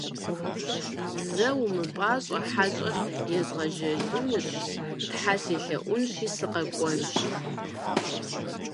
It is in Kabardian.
Зэ умыпӀащӀэ, хьэщӀэр езгъэжьэжынщ, Тхьэ селъэӀунщи, сынэкӀуэнщ.